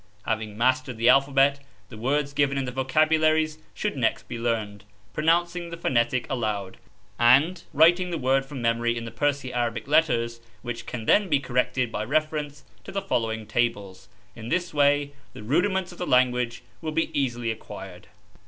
Having mastered the alphabet, the words given in the vocabularies should next be learned, pronouncing the phonetic aloud, and writing the word from memory in the Persi Arabic letters, which can then be corrected by reference to the following tables. In this way the rudiments of the language will be easily acquired.